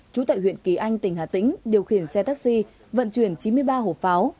trú tại huyện kỳ anh tỉnh hà tĩnh điều khiển xe taxi vận chuyển chín mươi ba hộp pháo